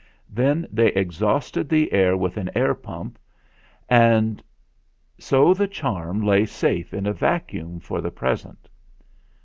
Then they exhausted the air with an air pump; and so the charm lay safe in a vacuum for the present.